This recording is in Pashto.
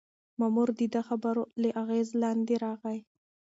مامور د ده د خبرو تر اغېز لاندې راغی.